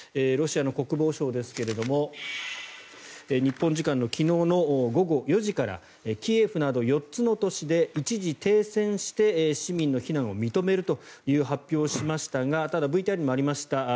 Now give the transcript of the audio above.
ロシアの国防省ですが日本時間の昨日の午後４時からキエフなど４つの都市で一時停戦して市民の避難を認めるという発表をしましたがただ、ＶＴＲにもありました